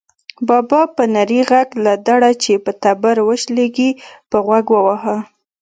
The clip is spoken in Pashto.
بابا په نري غږ لکه دړه چې په تبر وشلېږي، په غوږ وواهه.